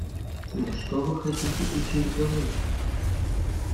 Но что вы хотите этим доказать?